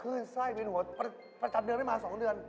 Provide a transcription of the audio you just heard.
คุณไส้เย็นหัวประจำเดือนไม่มาสองเดือน